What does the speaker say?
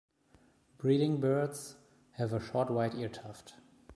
Breeding birds have a short white ear tuft.